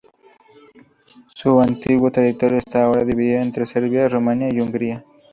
Su antiguo territorio está ahora dividido entre Serbia, Rumania y Hungría.